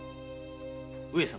上様。